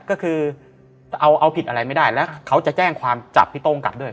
ก็คือเอาผิดอะไรไม่ได้แล้วเขาจะแจ้งความจับพี่โต้งกลับด้วย